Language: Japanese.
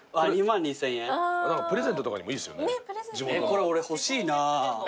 これ欲しいな。